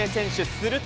すると。